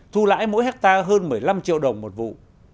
thu lãi mỗi hectare hơn một mươi năm triệu đồng một vụ